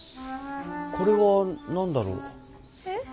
これは何だろう？え？